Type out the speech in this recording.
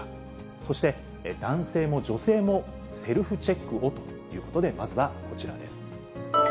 そして男性も女性もセルフチェックをということで、まずはこちらです。